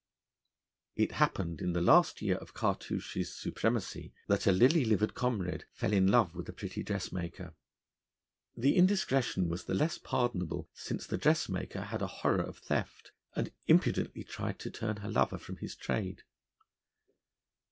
It happened in the last year of Cartouche's supremacy that a lily livered comrade fell in love with a pretty dressmaker. The indiscretion was the less pardonable since the dressmaker had a horror of theft, and impudently tried to turn her lover from his trade.